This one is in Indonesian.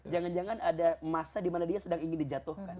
jangan jangan ada masa dimana dia sedang ingin dijatuhkan